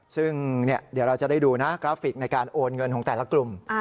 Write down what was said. ซึ่งเดี๋ยวเราจะได้ดูนะกราฟิกในการโอนเงินของแต่ละกลุ่ม